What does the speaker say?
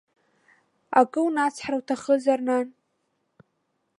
Акы унацҳар уҭахызар, нан?